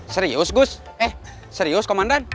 serius gus eh serius komandan